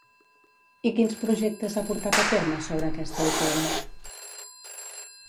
I quins projectes ha portat a terme sobre aquesta autora?